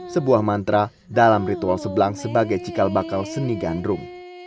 sebuah mantra dalam ritual sebelang sebagai cikal bakal seni gandrung